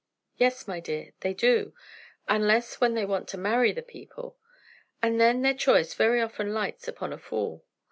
"Yes, my dear; they do; unless when they want to marry the people; and then their choice very often lights upon a fool.